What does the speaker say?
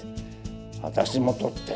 私も撮って！